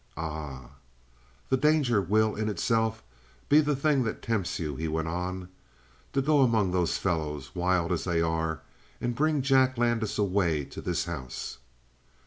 "Ah?" "The danger will in itself be the thing that tempts you," he went on. "To go among those fellows, wild as they are, and bring Jack Landis away to this house."